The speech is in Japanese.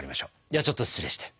ではちょっと失礼して。